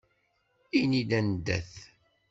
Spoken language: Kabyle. Ini-d anda-t!